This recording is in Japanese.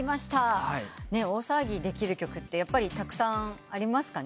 大騒ぎできる曲ってやっぱりたくさんありますかね。